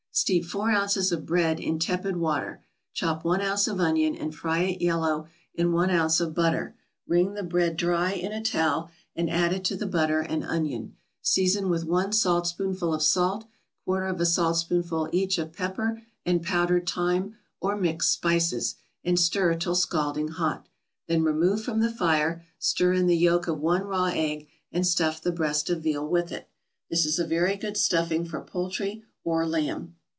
= Steep four ounces of bread in tepid water; chop one ounce of onion, and fry it yellow in one ounce of butter; wring the bread dry in a towel and add it to the butter and onion; season with one saltspoonful of salt, quarter of a saltspoonful each of pepper and powdered thyme, or mixed spices, and stir till scalding hot, then remove from the fire, stir in the yolk of one raw egg, and stuff the breast of veal with it. This is a very good stuffing for poultry, or lamb.